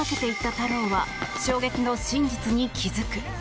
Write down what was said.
太郎は衝撃の真実に気づく。